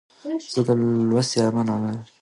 زه د سولي او امن ملاتړ کوم.